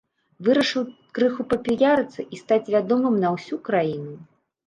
Вырашыў крыху папіярыцца і стаць вядомым на ўсю краіну.